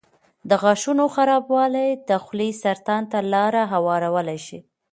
د غاښونو خرابوالی د خولې سرطان ته لاره هوارولی شي.